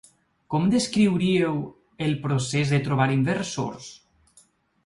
Com descriuríeu el procés de trobar inversors?